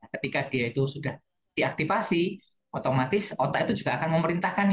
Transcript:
ketika dia itu sudah diaktifasi otomatis otak itu juga akan memerintahkan